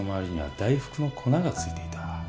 大福の粉がついていた